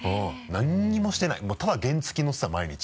何にもしてないもうただ原付乗ってた毎日。